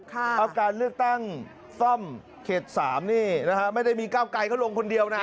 การเลือกตั้งส้ำเขต๓ไม่ได้มีกล้ามไก่เข้าลงคนเดียว